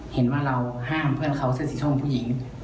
เห็นว่าเราห้ามเพื่อนเขาเสื้อสีส้มผู้หญิง